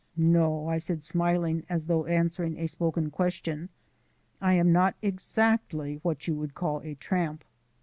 "No," I said, smiling, as though answering a spoken question, "I am not exactly what you would call a tramp."